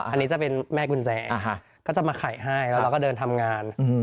อันนี้จะเป็นแม่กุญแจก็จะมาไข่ให้แล้วเราก็เดินทำงาน